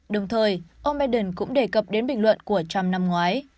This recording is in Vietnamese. đồng thời ông biden cũng đề cập đến bình luận của trump năm ngoái